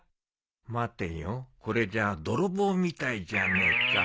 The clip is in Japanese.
待てよこれじゃあ泥棒みたいじゃねえか